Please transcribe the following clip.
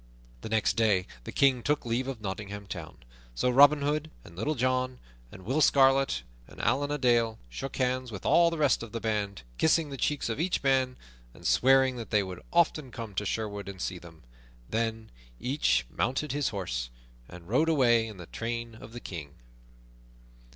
The next day the King took leave of Nottingham Town; so Robin Hood and Little John and Will Scarlet and Allan a Dale shook hands with all the rest of the band, kissing the cheeks of each man, and swearing that they would often come to Sherwood and see them. Then each mounted his horse and rode away in the train of the King.